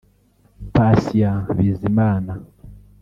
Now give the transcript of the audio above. Patient Bizimana